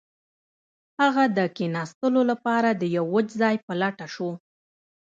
هغه د کښیناستلو لپاره د یو وچ ځای په لټه شو